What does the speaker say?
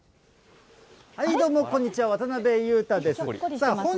はい、どうもこんにちは、渡辺裕太です。